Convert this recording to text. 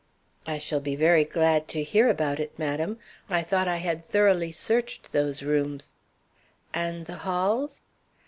"I shall be very glad to hear about it, madam. I thought I had thoroughly searched those rooms " "And the halls?"